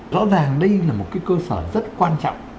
rõ ràng đây là một cái cơ sở rất quan trọng